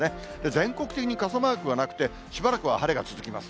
全国的に傘マークはなくて、しばらくは晴れが続きます。